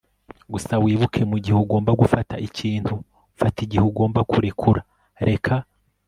gusa wibuke, mugihe ugomba gufata ikintu, fata; igihe ugomba kurekura, reka